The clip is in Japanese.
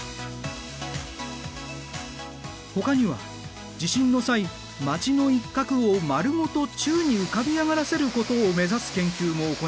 ほかには地震の際街の一角を丸ごと宙に浮かび上がらせることを目指す研究も行われている。